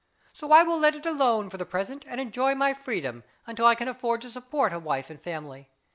So I will let it alone for the present, and enjoy my freedom, until I can afford to support a wife and family.